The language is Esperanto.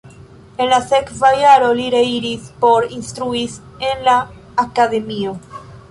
En la sekva jaro li reiris por instruis en la akademio.